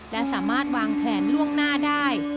และสามารถวางแผนล่วงหน้าได้